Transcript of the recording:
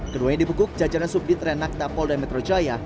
keduanya dibekuk jajaran subdit renakta polda metro jaya